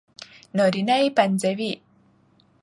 نارينه يې پنځوي